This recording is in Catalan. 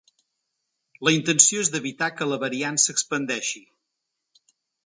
La intenció és d’evitar que la variant s’expandeixi.